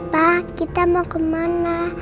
pa kita mau kemana